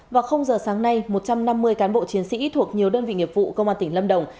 vào giờ sáng nay một trăm năm mươi cán bộ chiến sĩ thuộc nhiều đơn vị nghiệp vụ công an tỉnh lâm đồng